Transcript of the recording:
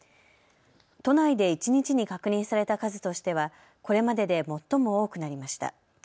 都内で一日に確認された数としてはこれまでで最も多くなりました。